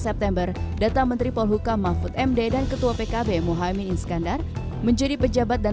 september data menteri polhukam mahfud md dan ketua pkb muhaymin iskandar menjadi pejabat dan